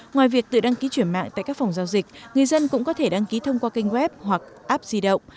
ngoài việc tự đăng ký chuyển mạng tại các phòng giao dịch người dân cũng có thể đăng ký thông qua kênh web hoặc app di động